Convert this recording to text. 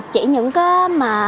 chỉ những cái mà